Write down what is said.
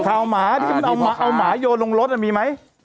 จะหาหมาเอาหมาโยนลงรถมันมีไหม